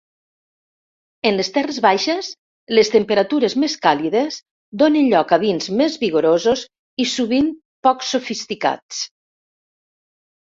En les terres baixes, les temperatures més càlides donen lloc a vins més vigorosos i sovint poc sofisticats.